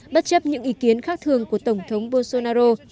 bất chấp những ý kiến khác thường của tổng thống bolsonaro